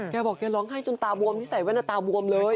แกบอกแกร้องไห้จนตาบวมที่ใส่แว่นหน้าตาบวมเลย